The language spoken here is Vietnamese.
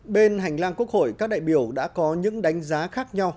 bên hành lang quốc hội các đại biểu đã có những đánh giá khác nhau